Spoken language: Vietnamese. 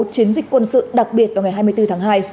chiến dịch quân sự đặc biệt vào ngày hai mươi bốn tháng hai